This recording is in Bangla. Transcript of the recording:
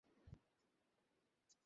স্যার, মেয়েটির মোবাইল ফোন।